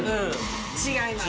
違います。